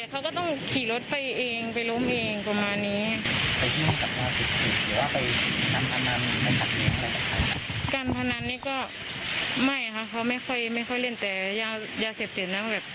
กันทางนั้นก็ไม่ค่ะเขาไม่ค่อยเรียนแต่ยาเสพติดแล้ว